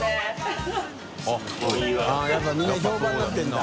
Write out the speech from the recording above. やっぱりみんな評判になってるんだ。